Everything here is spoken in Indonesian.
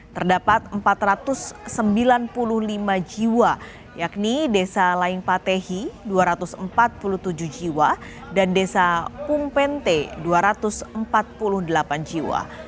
terdapat empat ratus sembilan puluh lima jiwa yakni desa lain patehi dua ratus empat puluh tujuh jiwa dan desa pumppente dua ratus empat puluh delapan jiwa